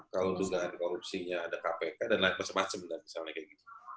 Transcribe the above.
kalau dugaan korupsinya ada kpk dan lain macam lain